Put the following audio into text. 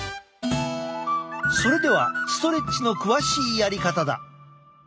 それではストレッチの詳しいやり方だ。